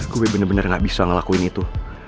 gue bener bener gak bisa ngelakuin itu